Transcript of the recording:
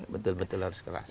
betul betul harus keras